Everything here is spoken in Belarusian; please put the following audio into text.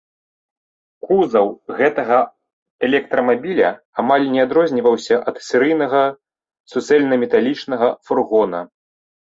Кузаў гэтага электрамабіля амаль не адрозніваўся ад серыйнага суцэльнаметалічнага фургона.